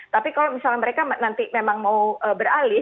tapi kalau misalnya mereka nanti memang mau beralih